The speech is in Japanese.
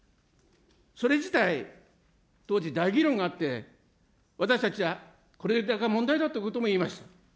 それ自体、当時、大議論があって、私たちはこれが問題だということも言いました。